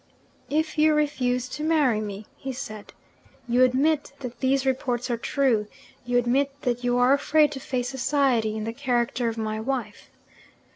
"If you refuse to marry me," he said, "you admit that these reports are true you admit that you are afraid to face society in the character of my wife."